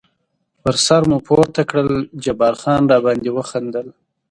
پر سر مو پورته کړل، جبار خان را باندې وخندل.